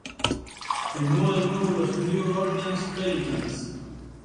Firmó de nuevo por los New Orleans Pelicans.